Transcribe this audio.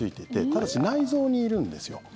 ただし、内臓にいるんですよ。